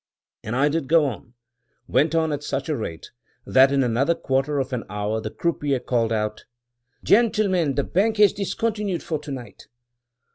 And I did go on — went on at such a rate, that in another quarter of an hour the croupier called out, "Gentlemen, the bank has discontinued for to night."